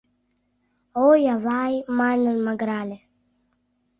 — Ой, ава-ай! — манын магырале.